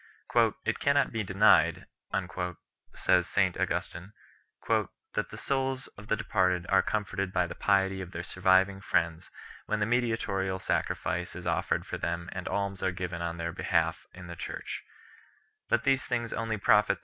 "It cannot be denied," says St Augustin 9 , "that the souls of the departed are comforted by the piety of their surviving friends when the mediatorial sacrifice is offered for them and alms are given on their behalf in the church ; but 1 Cone. Arelat.